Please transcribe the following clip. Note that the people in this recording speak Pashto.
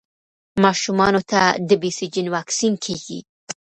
ماشومانو ته د بي سي جي واکسین کېږي.